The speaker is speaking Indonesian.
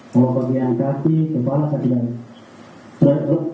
kalau bagian kaki kepala saya tidak